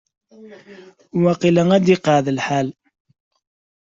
Waqil ad iqeɛɛed lḥal.